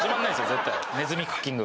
絶対「ねずみクッキング」